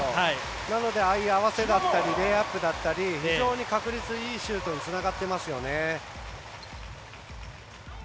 なのでああいう合わせだったりレイアップだったり非常に確率のいいシュートにつながってますよね。